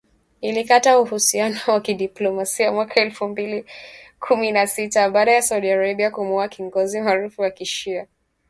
Ilikata uhusiano wa kidiplomasia mwaka elfu mbili kumi na sita , baada ya Saudi Arabia kumuua kiongozi maarufu wa kishia, aliyejulikana kama Nimr al Nimr